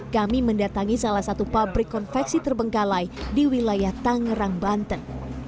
kami mendatangi salah satu pabrik konveksi terbengkalai di wilayah tangerang banten